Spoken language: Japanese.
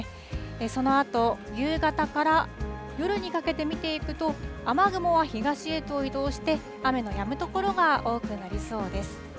そのあと、夕方から夜にかけて見ていくと、雨雲は東へと移動して、雨のやむ所が多くなりそうです。